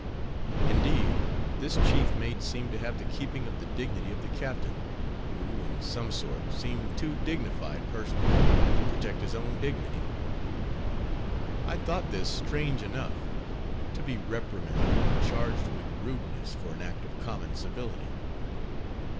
Indeed this chief mate seemed to have the keeping of the dignity of the captain; who, in some sort, seemed too dignified personally to protect his own dignity. I thought this strange enough, to be reprimanded, and charged with rudeness for an act of common civility.